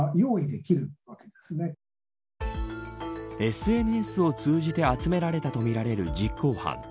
ＳＮＳを通じて集められたとみられる実行犯。